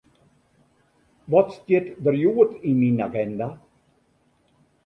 Wat stiet der hjoed yn myn aginda?